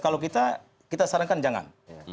kalau kita kita sarankan jangan